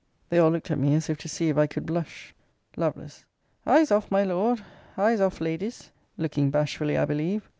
They all looked at me as if to see if I could blush. Lovel. Eyes off, my Lord! Eyes off, Ladies! [Looking bashfully, I believe.